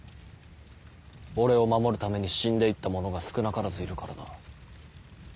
俺を守るために死んで行った者が少なからずいるからな。